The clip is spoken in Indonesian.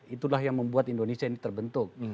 itulah yang membuat indonesia ini terbentuk